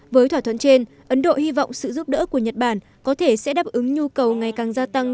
với thỏa thuận trên ấn độ hy vọng sự giúp đỡ của nhật bản có thể sẽ đáp ứng nhu cầu ngày càng gia tăng